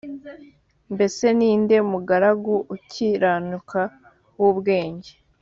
mbese ni nde mugaragu ukiranuka w ubwenge